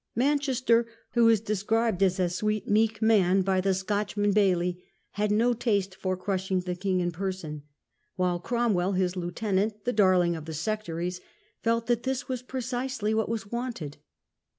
Manchester, who is described as a "sweet, meek man " by the Scotchman Baillie, had no taste for crushing the king in person; while Cromwell, his lieutenant, the "darling of the Sectaries", felt that this was precisely what was wanted.